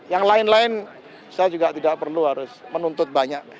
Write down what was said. yang lain lain saya juga tidak perlu harus menuntut banyak